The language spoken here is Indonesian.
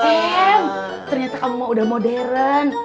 em ternyata kamu udah modern